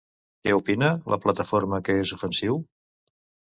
Què opina la plataforma que és ofensiu?